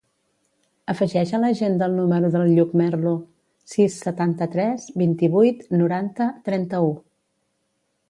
Afegeix a l'agenda el número del Lluc Merlo: sis, setanta-tres, vint-i-vuit, noranta, trenta-u.